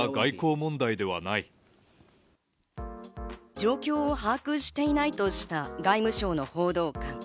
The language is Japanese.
状況を把握していないとした外務省の報道官。